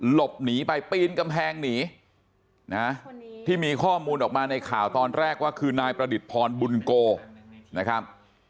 หลบหนีไปปีนกำแพงหนีนะที่มีข้อมูลออกมาในข่าวตอนแรกว่าคือนายประดิษฐพรบุญโกนะครับ